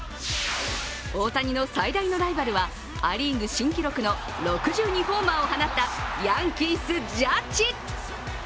大谷の最大のライバルはア・リーグ新記録の６２ホーマーを放ったヤンキース・ジャッジ。